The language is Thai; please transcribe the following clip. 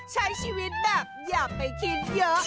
ใช้ชีวิตแบบอย่าไปคิดเยอะ